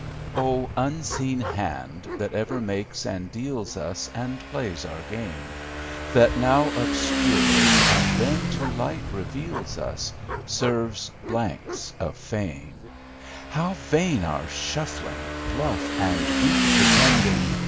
"O Unseen Hand that ever makes and deals us, And plays our game! That now obscures and then to light reveals us, Serves blanks of fame How vain our shuffling, bluff and weak pretending!